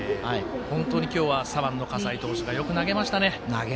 本当に今日は左腕の葛西投手がよく投げましたね。